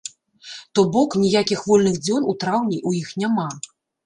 То бок, ніякіх вольных дзён у траўні ў іх няма.